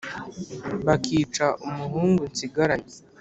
bakica umuhungu nsigaranye.